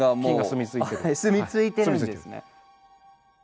住み着いてるんですね。